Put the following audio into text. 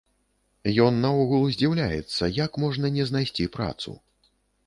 Ён наогул здзіўляецца, як можна не знайсці працу.